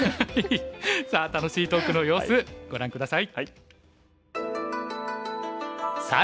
さあ楽しいトークの様子ご覧下さい。